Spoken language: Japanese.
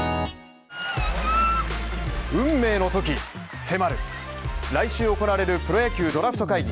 運命のとき迫る来週行われるプロ野球ドラフト会議